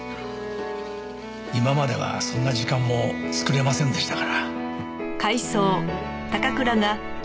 「今まではそんな時間も作れませんでしたから」